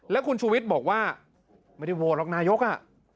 แล้วคุณชูวิทย์บอกว่าไม่ได้โหวตหรอกนายก